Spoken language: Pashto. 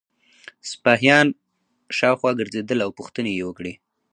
سپاهیان شاوخوا ګرځېدل او پوښتنې یې وکړې.